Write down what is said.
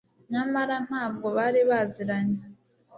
nyamara ntabwo bari baziranye.